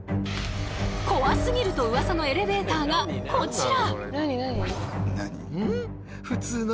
怖すぎるとウワサのエレベーターがこちら！